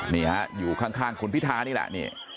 นี่ครับอยู่ข้างคุณพิธานี่แหละ